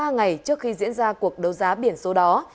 ba ngày trước khi diễn ra cuộc đấu giá biển số đó